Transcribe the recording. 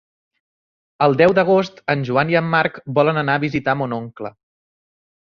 El deu d'agost en Joan i en Marc volen anar a visitar mon oncle.